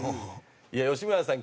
「いや吉村さん